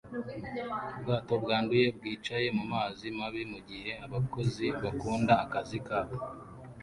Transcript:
Ubwato bwanduye bwicaye mumazi mabi mugihe abakozi bakunda akazi kabo